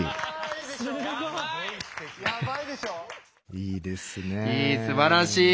いいすばらしい！